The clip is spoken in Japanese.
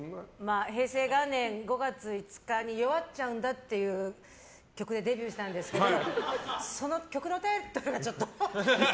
平成元年５月５日に「弱っちゃうんだ」っていう曲でデビューしたんですけどその曲のタイトルがちょっと。